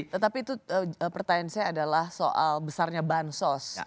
tetapi itu pertanyaan saya adalah soal besarnya bansos